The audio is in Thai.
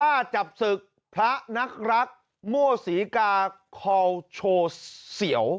ถ้าจับศึกพระนักรักมั่วศรีกาคอลโชว์เสียว